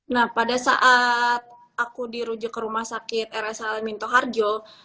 nah pada saat aku dirujuk ke rumah sakit rshl minto harjo